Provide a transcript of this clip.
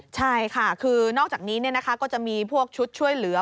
ใช่ค่ะคือนอกจากนี้ก็จะมีพวกชุดช่วยเหลือ